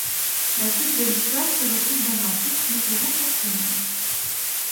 La suite de l'histoire se retrouve dans un titre différent chaque semaine.